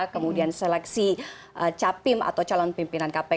kemudian seleksi capim atau calon pimpinan kpk